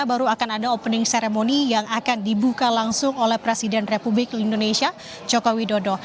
baru akan ada opening ceremony yang akan dibuka langsung oleh presiden republik indonesia joko widodo